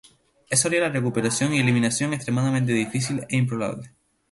Eso haría la recuperación y la eliminación extremadamente difícil e improbable.